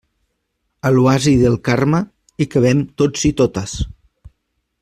A l'Oasi del Carme hi cabem tots i totes.